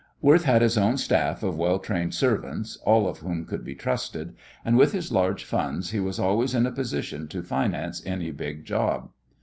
Worth had his own staff of well trained servants, all of whom could be trusted, and with his large funds he was always in a position to finance any big job.